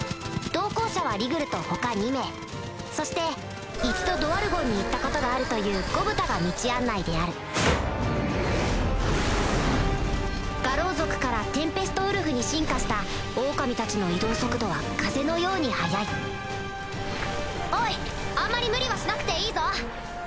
同行者はリグルと他２名そして１度ドワルゴンに行ったことがあるというゴブタが道案内である牙狼族からテンペストウルフに進化した狼たちの移動速度は風のように速いおいあんまり無理はしなくていいぞ！